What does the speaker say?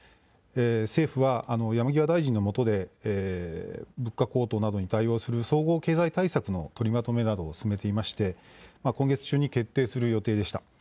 政府は山際大臣のもとで物価高騰などに対応する総合経済対策の取りまとめなどを進めていまして今月中に決定する予定でした。